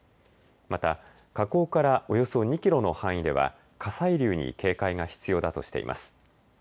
また火口からおよそ２キロの範囲では火砕流に警戒が必要だとしています。